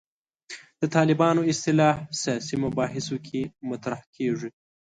د طالبانو اصطلاح سیاسي مباحثو کې مطرح کېږي.